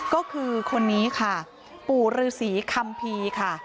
ก็คือคนนี้ค่ะปู่ฤษีคัมภีร์ค่ะ